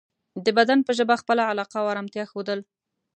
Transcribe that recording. د بدن په ژبه خپله علاقه او ارامتیا ښودل